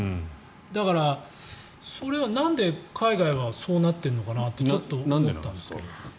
だから、それはなんで海外はそうなってるのかなと思ったんですが。